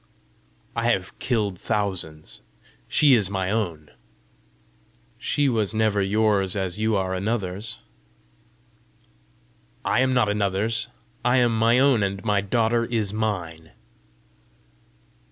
"I have killed thousands. She is my own!" "She was never yours as you are another's." "I am not another's; I am my own, and my daughter is mine."